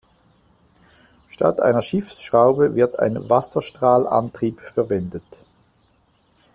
Statt einer Schiffsschraube wird ein Wasserstrahlantrieb verwendet.